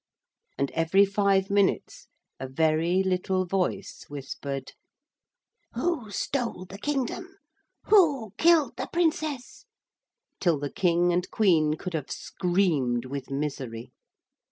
And every five minutes a very little voice whispered: 'Who stole the kingdom? Who killed the Princess?' till the King and Queen could have screamed with misery.